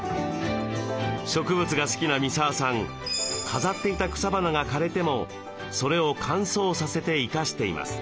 植物が好きな三沢さん飾っていた草花が枯れてもそれを乾燥させて生かしています。